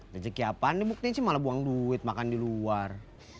rezeki apaan dibuktiin sih malah buang duit makan di luar